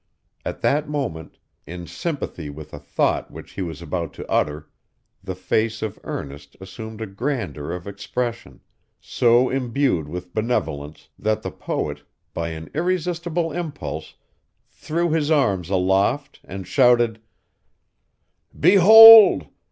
At that moment, in sympathy with a thought which he was about to utter, the face of Ernest assumed a grandeur of expression, so imbued with benevolence, that the poet, by an irresistible impulse, threw his arms aloft and shouted 'Behold!